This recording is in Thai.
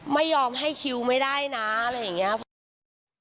ไม่ยอมให้คิวไม่ได้นะอะไรอย่างนี้